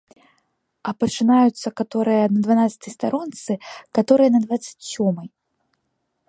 А пачынаюцца каторая на дванаццатай старонцы, каторая на дваццаць сёмай.